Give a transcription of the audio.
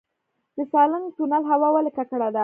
د سالنګ تونل هوا ولې ککړه ده؟